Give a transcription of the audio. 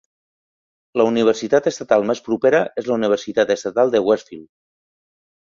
La universitat estatal més propera és la Universitat estatal de Westfield.